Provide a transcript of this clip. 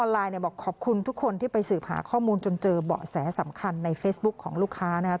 บอกขอบคุณทุกคนที่ไปสืบหาข้อมูลจนเจอเบาะแสสำคัญในเฟซบุ๊คของลูกค้านะครับ